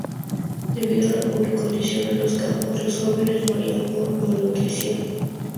Debido a la pobre condición en los campos, los jóvenes morían por malnutrición.